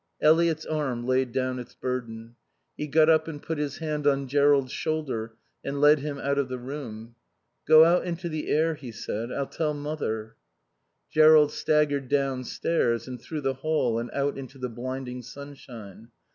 Eliot's arm laid down its burden. He got up and put his hand on Jerrold's shoulder and led him out of the room. "Go out into the air," he said. "I'll tell Mother." Jerrold staggered downstairs, and through the hall and out into the blinding sunshine.